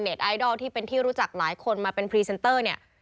ไอดอลที่เป็นที่รู้จักหลายคนมาเป็นพรีเซนเตอร์เนี่ย